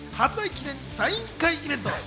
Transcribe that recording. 記念サイン会イベント。